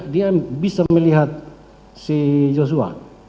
dia bisa melihat si joshua